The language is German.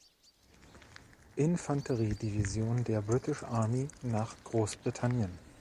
Infanteriedivision der British Army nach Großbritannien.